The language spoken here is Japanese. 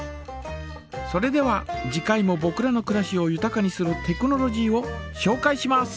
それでは次回もぼくらのくらしをゆたかにするテクノロジーをしょうかいします。